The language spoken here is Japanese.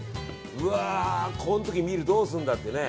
うわー、こういう時にミルどうするんだってね。